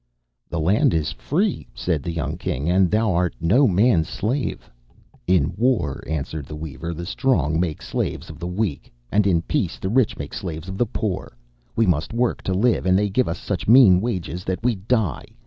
'The land is free,' said the young King, 'and thou art no man's slave.' 'In war,' answered the weaver, 'the strong make slaves of the weak, and in peace the rich make slaves of the poor. We must work to live, and they give us such mean wages that we die.